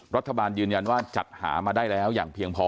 รัฐบาลยืนยันว่าจัดหามาได้แล้วอย่างเพียงพอ